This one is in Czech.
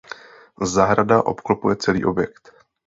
Zahrada obklopuje celý objekt.